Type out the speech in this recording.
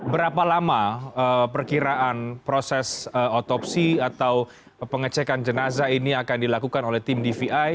berapa lama perkiraan proses otopsi atau pengecekan jenazah ini akan dilakukan oleh tim dvi